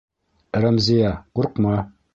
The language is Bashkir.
Рәмзиә, ҡурҡма!